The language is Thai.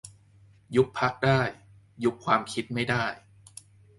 ยุบพรรคได้ ยุบความคิดไม่ได้